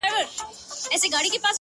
څوک چي ونو سره شپې کوي”